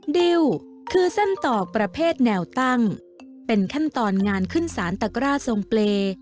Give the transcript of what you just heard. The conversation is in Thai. ดิวคือเส้นตอกประเภทแนวตั้งเป็นขั้นตอนงานขึ้นสารตะกร้าทรงเปรย์